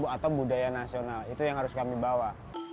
atau budaya nasional itu yang harus kami bawa